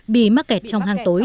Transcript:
bị mắc kẹt trong hang tối